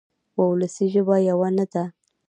وولسي ژبه یوه نه ده.